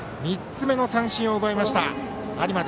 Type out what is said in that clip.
３つ目の三振を奪いました有馬。